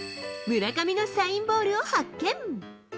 村上のサインボールを発見。